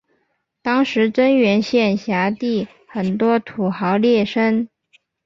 当时真源县辖地很多土豪劣绅。